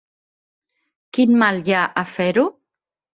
Quin mal hi ha a fer-ho?